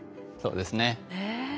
そうですね。